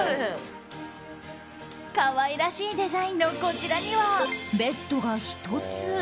可愛らしいデザインのこちらには、ベッドが１つ。